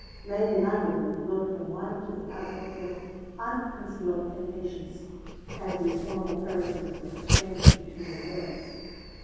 Lady Lundie looked from one to the other with unconcealed impatience as these formal courtesies were exchanged between the lawyers.